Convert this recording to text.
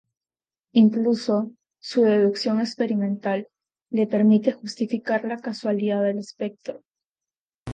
Incluso, su deducción experimental le permite justificar la causalidad del espectro.